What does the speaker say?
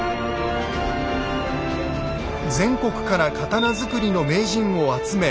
全国から刀作りの名人を集め